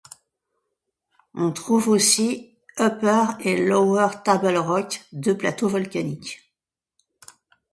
On trouve aussi Upper et Lower Table Rock, deux plateaux volcaniques.